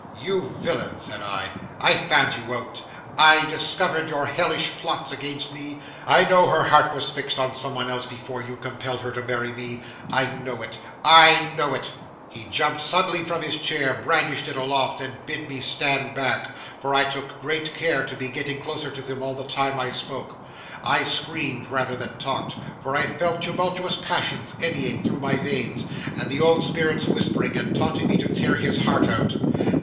'"You villain," said I, "I found you out: I discovered your hellish plots against me; I know her heart was fixed on some one else before you compelled her to marry me. I know it I know it." 'He jumped suddenly from his chair, brandished it aloft, and bid me stand back for I took care to be getting closer to him all the time I spoke. 'I screamed rather than talked, for I felt tumultuous passions eddying through my veins, and the old spirits whispering and taunting me to tear his heart out.